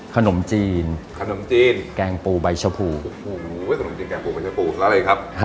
ขนมจีนแกงปูใบเฉพาะแล้วอะไรครับ